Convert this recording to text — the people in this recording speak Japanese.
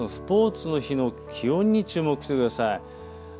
スポーツの日の気温に注目してください。